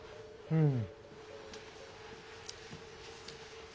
うん。